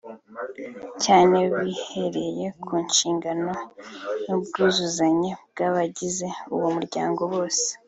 cyane bihereye ku nshingano n’ubwuzuzanye bw’abagize uwo muryango bose